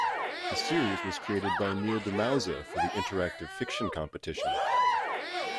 The series was created by Neil deMause for the Interactive Fiction Competition.